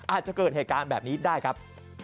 อาจจะเกิดเหตุการณ์แบบนี้ได้ครับ